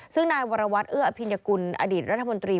ซึ่งนายวรวัตรเอื้ออภิญกุลอดีตรัฐมนตรี